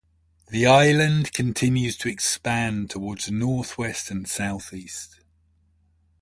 The island continues to expand toward the northwest and southeast.